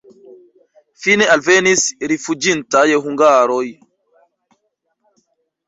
Fine alvenis rifuĝintaj hungaroj.